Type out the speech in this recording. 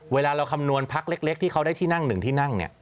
เวลาเราคำนวณพักเล็กที่เขาได้ที่นั่ง๑ที่นั่งเนี่ย